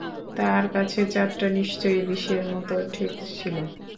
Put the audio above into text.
তার কাছে চাঁদটা নিশ্চয়ই বিষের মতো ঠেকছিল।